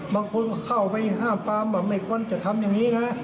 บางคนก็เข้าไปห้ามปามว่าไม่ควรจะทำอย่างนี้นะ